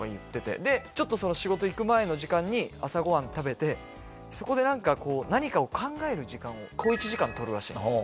でちょっと仕事行く前の時間に朝ごはん食べてそこで何かを考える時間を小１時間取るらしいんですよ。